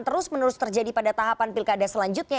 terus menerus terjadi pada tahapan pilkada selanjutnya